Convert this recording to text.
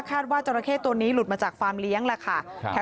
จราเข้ตัวนี้หลุดมาจากฟาร์มเลี้ยงแหละค่ะ